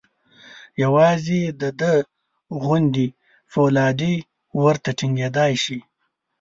یوازې د ده غوندې فولادي ورته ټینګېدای شي.